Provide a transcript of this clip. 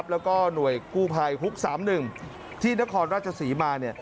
แล้วก็หน่วยกู้ภัยฮุก๓๑ที่นครราชศรีมา